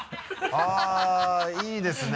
あぁいいですね。